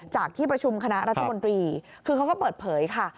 ที่ประชุมคณะรัฐมนตรีคือเขาก็เปิดเผยค่ะ